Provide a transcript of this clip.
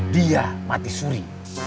dia mati suri